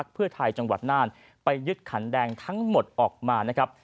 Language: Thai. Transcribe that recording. เพื่อไทยจังหวัดน่านไปยึดขันแดงทั้งหมดออกมานะครับ